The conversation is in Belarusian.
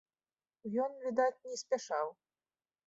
Ён, відаць, не спяшаў.